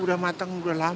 dengan komataannya udah bisa